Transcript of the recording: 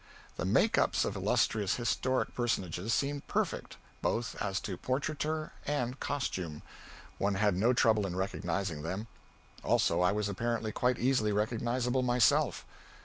The make ups of illustrious historic personages seemed perfect, both as to portraiture and costume; one had no trouble in recognizing them. Also, I was apparently quite easily recognizable myself.